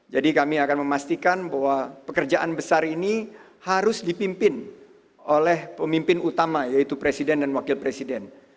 jadi kami akan memastikan bahwa pekerjaan besar ini harus dipimpin oleh pemimpin utama yaitu presiden dan wakil presiden